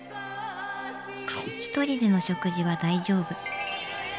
１人での食事は大丈夫。